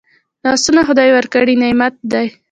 لاسونه خدای ورکړي نعمت دی